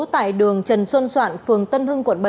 tại đường trần xuân soạn phường tân hưng quận bảy